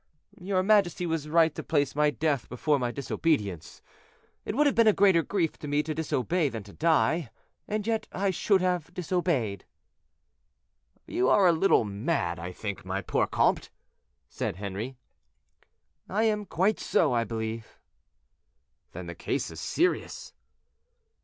"Your majesty was right to place my death before my disobedience; it would have been a greater grief to me to disobey than to die, and yet I should have disobeyed." "You are a little mad, I think, my poor comte," said Henri. "I am quite so, I believe." "Then the case is serious."